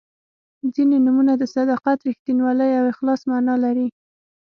•ځینې نومونه د صداقت، رښتینولۍ او اخلاص معنا لري.